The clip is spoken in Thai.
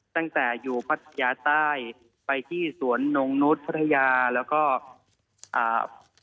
ตั้งแต่อยู่พัทยาใต้ไปที่สวนนงนุษย์พัทยาแล้วก็อ่า